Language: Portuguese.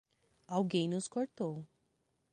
Alguém nos cortou!